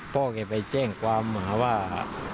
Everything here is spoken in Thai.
ป่าเค้ไปเจ้งความหงากว่า